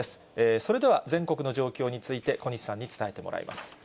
それでは全国の状況について、小西さんに伝えてもらいます。